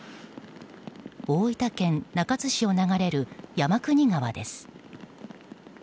大分県中津市を流れる山国川です。